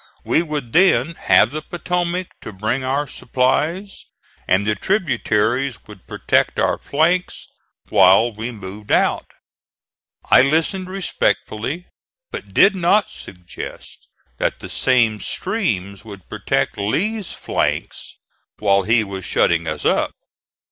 We would then have the Potomac to bring our supplies, and the tributaries would protect our flanks while we moved out. I listened respectfully, but did not suggest that the same streams would protect Lee's flanks while he was shutting us up.